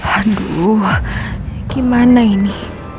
aduh gimana ini